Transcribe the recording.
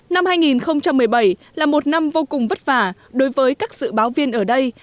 năm hai nghìn một mươi bảy là một năm vô cùng vất vả đối với các dự báo viên ở đây